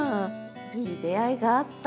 いい出会いがあったんだね